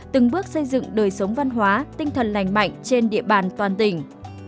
từng bước xây dựng đời sống văn hóa tinh thần lành mạnh trên địa bàn toàn tỉnh